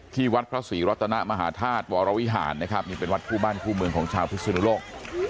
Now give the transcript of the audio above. ที่วัดพระศรีรัตนมหาธาตุวรวิหารนะครับนี่เป็นวัดคู่บ้านคู่เมืองของชาวพิศนุโลก